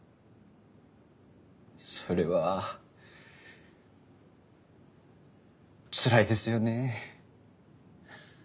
それはつらいですよねえ。